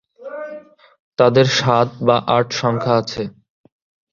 তাদের সাত বা আট সংখ্যা আছে।